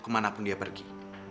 kemana pun dia pergi